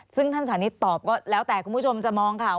ซึ่งท่านสานิทตอบก็แล้วแต่คุณผู้ชมจะมองค่ะ